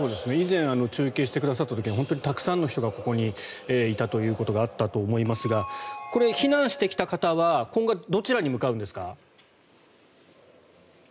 以前中継してくださった時に本当にたくさんの人がここにいたということがあったと思いますがこれ、避難してきた方は今後はどちらに向かうんですか？